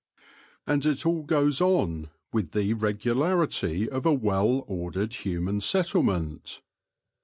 And it all goes on with the regularity of a well ordered human settlement.